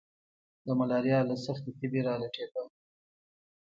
د ملاريا له سختې تبي را لټېدم.